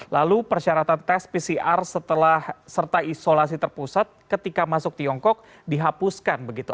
lalu persyaratan tes pcr setelah serta isolasi terpusat ketika masuk tiongkok dihapuskan begitu